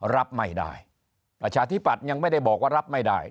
รับไม่ได้ประชาธิปัตย์ยังไม่ได้บอกว่ารับไม่ได้